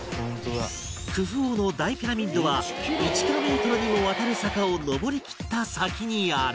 クフ王の大ピラミッドは１キロメートルにもわたる坂を上りきった先にある